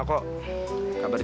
aku tak mau